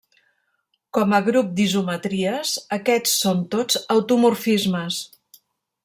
Com a grup d'isometries, aquests són tots automorfismes.